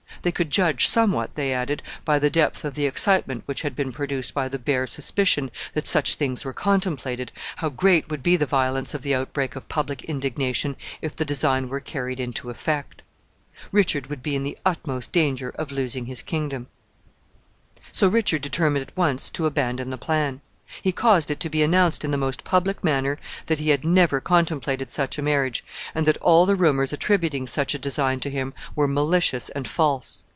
They could judge somewhat, they added, by the depth of the excitement which had been produced by the bare suspicion that such things were contemplated, how great would be the violence of the outbreak of public indignation if the design were carried into effect. Richard would be in the utmost danger of losing his kingdom. [Illustration: PORTRAIT OF THE PRINCESS ELIZABETH.] So Richard determined at once to abandon the plan. He caused it to be announced in the most public manner that he had never contemplated such a marriage, and that all the rumors attributing such a design to him were malicious and false.